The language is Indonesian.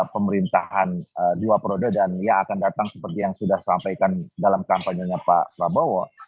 pemerintahan dua periode dan yang akan datang seperti yang sudah sampaikan dalam kampanyenya pak prabowo